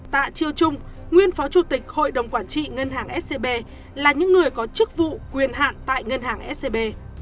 tạ chiêu trung nguyên phó chủ tịch hội đồng quản trị ngân hàng scb là những người có chức vụ quyền hạn tại ngân hàng scb